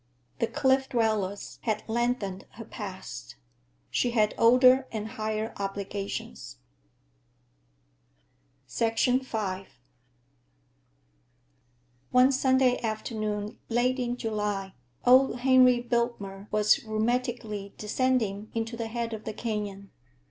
The Cliff Dwellers had lengthened her past. She had older and higher obligations. V One Sunday afternoon late in July old Henry Biltmer was rheumatically descending into the head of the canyon.